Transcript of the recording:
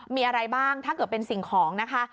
มีอะไรบ้างถ้าเกิดเป็นสิ่งของนะคะ